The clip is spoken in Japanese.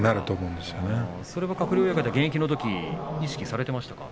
それは鶴竜親方現役のとき意識されてましたか？